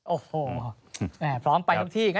โอ้โหพร้อมไปทุกที่